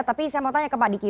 tapi saya mau tanya ke pak diki